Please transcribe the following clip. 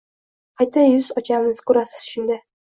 Qayta yuz ochamiz, ko’rasiz shunda